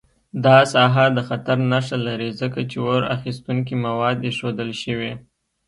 دا ساحه د خطر نښه لري، ځکه چې اور اخیستونکي مواد ایښودل شوي.